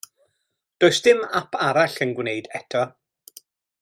Does dim ap arall yn gwneud eto.